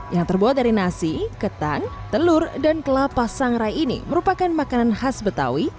yang terbuat dari nasi ketan telur dan kelapa sangrai ini merupakan makanan khas betawi